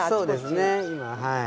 そうですねはい。